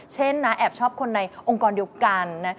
เช่นนะแอบชอบคนในองค์กรเดียวกันนะ